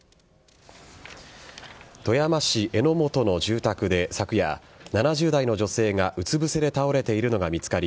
富山市江本の住宅で昨夜７０代の女性がうつ伏せで倒れているのが見つかり